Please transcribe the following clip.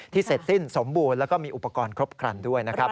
เสร็จสิ้นสมบูรณ์แล้วก็มีอุปกรณ์ครบครันด้วยนะครับ